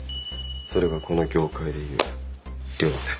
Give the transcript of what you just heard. それがこの業界で言う「両手」。